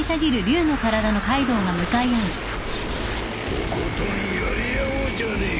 とことんやり合おうじゃねえか